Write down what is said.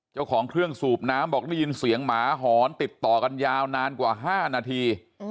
เจ้าของเครื่องสูบน้ำบอกได้ยินเสียงหมาหอนติดต่อกันยาวนานกว่า๕นาที